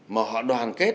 mà họ đoàn kết